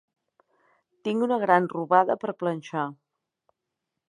Tinc una gran robada per planxar.